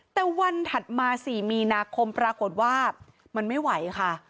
แต่วันถัดมา๔มีนาคมปรากฏว่ามันไม่ไหวค่ะ